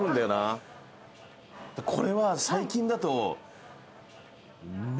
これは最近だと。